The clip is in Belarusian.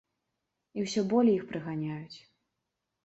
І ўсё болей іх прыганяюць.